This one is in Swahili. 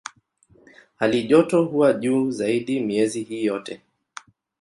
Halijoto huwa juu zaidi miezi hii yote.